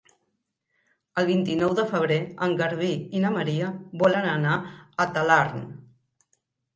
El vint-i-nou de febrer en Garbí i na Maria volen anar a Talarn.